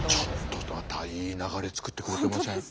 ちょっとまたいい流れ作ってくれてません？